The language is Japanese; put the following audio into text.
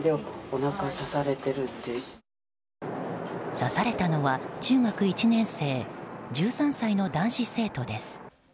刺されたのは中学１年生１３歳の男子生徒です。